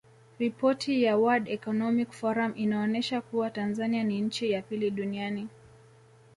Ripoti ya Word Economic Forum inaonesha kuwa Tanzania ni nchi ya pili duniani